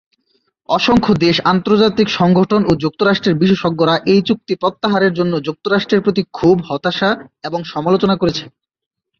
অসংখ্য দেশ, আন্তর্জাতিক সংগঠন এবং যুক্তরাষ্ট্রের বিশেষজ্ঞরা এই চুক্তি প্রত্যাহারের জন্য যুক্তরাষ্ট্রের প্রতি ক্ষোভ, হতাশা এবং সমালোচনা করেছে।